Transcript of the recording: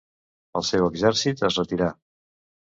El seu exèrcit es retirà.